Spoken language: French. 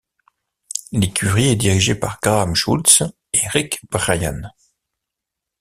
L'écurie est dirigée par Graham Schulz et Rik Bryan.